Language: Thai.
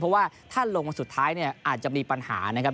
เพราะว่าถ้าลงมาสุดท้ายเนี่ยอาจจะมีปัญหานะครับ